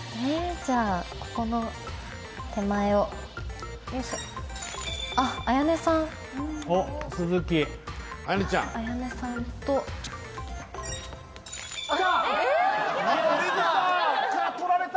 じゃあここの手前を。取られた！